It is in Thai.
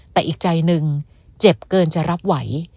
แต่อีกใจหนึ่งเจ็บเกินจะรับไหว